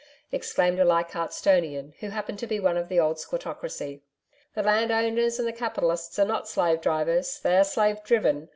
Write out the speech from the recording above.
exclaimed a Leichardt'stonian who happened to be one of the old squattocracy. 'The landowners and the capitalists are not slave drivers, they are slave driven.